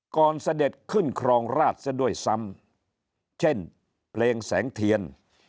เสด็จขึ้นครองราชซะด้วยซ้ำเช่นเพลงแสงเทียน